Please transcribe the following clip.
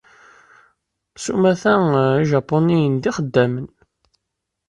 S umata, ijapuniyen d ixeddamen.